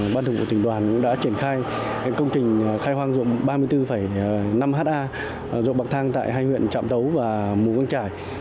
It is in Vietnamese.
ban thủ tỉnh đoàn đã triển khai công trình khai hoang ruộng ba mươi bốn năm hectare ruộng bậc thang tại hai huyện trạm tấu và mù cang trải